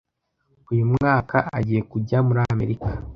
Uyu mwaka agiye kujya muri Amerika?